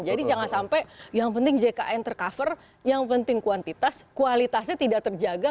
jadi jangan sampai yang penting jkn tercover yang penting kuantitas kualitasnya tidak terjaga